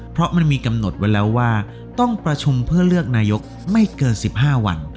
เพราะมันมีกำหนดไว้แล้วว่าต้องประชุมเพื่อเลือกนายกไม่เกิน๑๕วัน